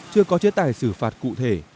chưa có chia tài xử phạt cụ thể